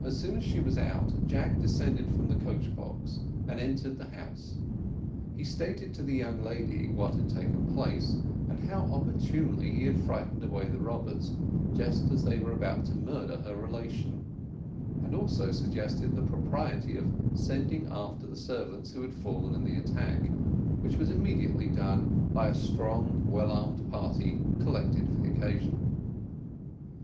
As soon as she was out, Jack descended from the coach box and entered the house. He stated to the young lady what had taken place, and how opportunely he had frightened away the robbers, just as they were about to murder her relation; and also suggested the propriety of sending after the servants who had fallen in the attack, which was immediately done by a strong and well armed party collected for the occasion.